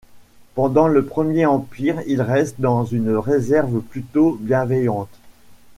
Pendant le Premier Empire, il reste dans une réserve plutôt bienveillante.